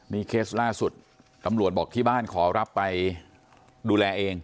นี่เคสล่าสุดตำรวจบอกที่บ้านขอรับไปดูแลเอง